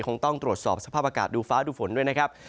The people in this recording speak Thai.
คงต้องตรวจสอบสภาพอากาศดูฟ้าดูฝนด้วยนะครับ